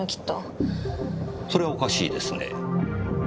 それはおかしいですね。